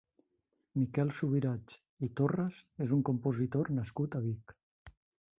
Miquel Subirats i Torras és un compositor nascut a Vic.